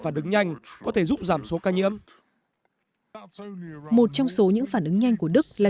phản ứng nhanh có thể giúp giảm số ca nhiễm một trong số những phản ứng nhanh của đức là